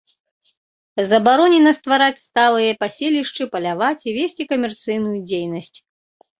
Забаронена ствараць сталыя паселішчы, паляваць і весці камерцыйную дзейнасць.